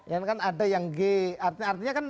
ya kan ada yang g artinya kan